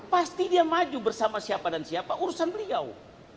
pasti dia maju bersama siapa dan siapa urusan beliau